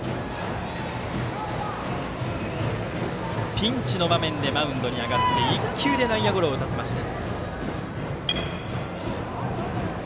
ピンチの場面でマウンドに上がって１球で内野ゴロを打たせました。